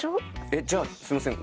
えじゃあすみません